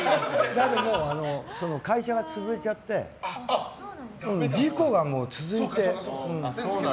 だけど、会社が潰れちゃって事故が続いて。